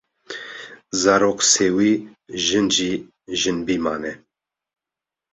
zarok sêwî, jin jî jinbî mane.